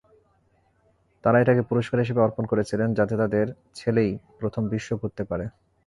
তারা এটাকে পুরষ্কার হিসাবে অর্পন করেছিলেন যাতে তাদের ছেলেই প্রথম বিশ্বঘুরতে পারে।